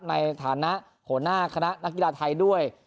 ในฐานะหัวหน้าคณะนักกีฬาไทยด้วย